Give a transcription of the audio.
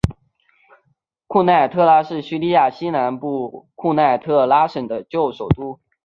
库奈特拉是叙利亚西南部库奈特拉省的旧首都。